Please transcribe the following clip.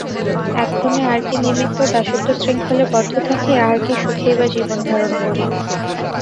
এক্ষণে আর কি নিমিত্ত দাসত্বশৃঙ্খলে বদ্ধ থাকি আর কি সুখেই বা জীবন ধারণ করি।